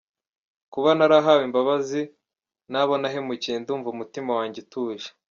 Kuba narahawe imbabzi nabo nahemukiye ndumva umutima wanjye utuje”.